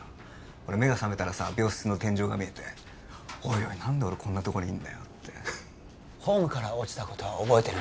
俺目が覚めたらさ病室の天井が見えて何で俺こんなとこにいんだよってホームから落ちたことは覚えてる？